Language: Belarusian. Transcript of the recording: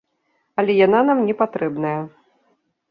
Але яна нам не патрэбная.